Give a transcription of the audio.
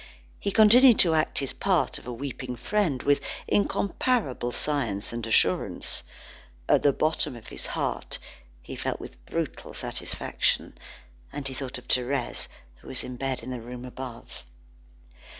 He continued to act his part of a weeping friend with incomparable science and assurance. At the bottom of his heart, he felt brutal satisfaction; and he thought of Thérèse who was in bed in the room above.